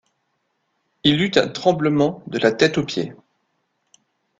Il eut un tremblement de la tête aux pieds.